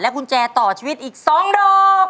และกุญแจต่อชีวิตเหลืออีกสองดอก